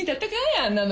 あんなのが。